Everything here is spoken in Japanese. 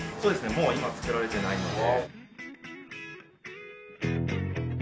もう今は作られてないので。